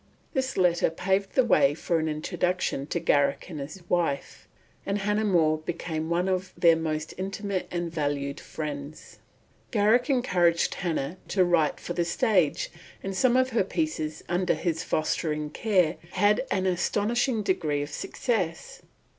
This letter paved the way for an introduction to Garrick and his wife, and Hannah More became one of their most intimate and valued friends. Garrick encouraged Hannah to write for the stage, and some of her pieces, under his fostering care, had an astonishing degree of success.